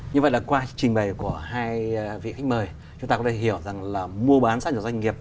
như vậy là qua trình bày của hai vị khách mời chúng ta có thể hiểu rằng là mua bán sách doanh nghiệp